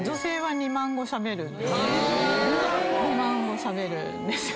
２万語しゃべるんですよ。